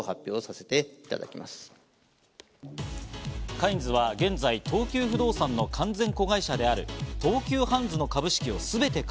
カインズは現在、東急不動産の完全子会社である東急ハンズの株式をすべて買